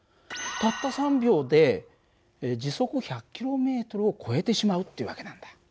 たった３秒で時速１００ｋｍを超えてしまうって訳なんだ。